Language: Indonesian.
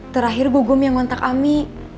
terakhir gugum yang ngontak ami